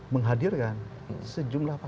menghadirkan sejumlah pakar